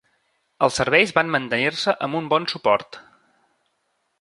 Els serveis van mantenir-se amb un bon suport.